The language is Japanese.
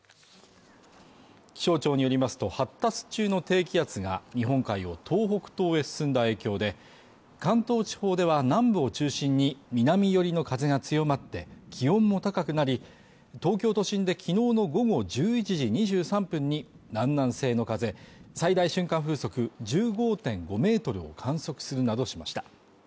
気象庁によりますと発達中の低気圧が日本海を東北東へ進んだ影響で、関東地方では南部を中心に南寄りの風が強まって気温も高くなり、東京都心で昨日の午後１１時２３分に南南西の風最大瞬間風速１５．５ｍを観測するなどしました。